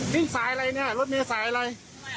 วิ่งสายอะไรเนี่ยรถเมษายอะไร